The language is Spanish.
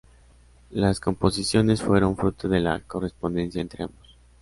Las composiciones fueron fruto de la correspondencia entre ambos.